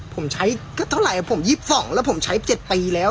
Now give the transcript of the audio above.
ผมใช้ก็เท่าไหร่ผม๒๒แล้วผมใช้๗ปีแล้ว